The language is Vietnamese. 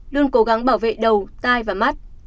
luôn cố gắng bảo vệ đầu tai và mắt